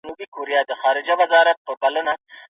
روغتيائي ټولنپوهنه د ناروغانو مرسته کوي.